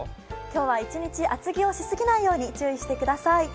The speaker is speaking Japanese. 今日は一日厚着をしすぎないように注意してください。